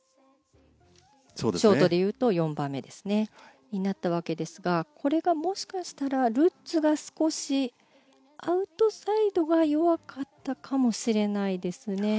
ショートでいうと４番目になったわけですがこれがもしかしたらルッツが少しアウトサイドが弱かったかもしれないですね。